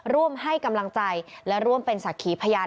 ร่วมให้กำลังใจและร่วมเป็นศักดิ์ขีพยาน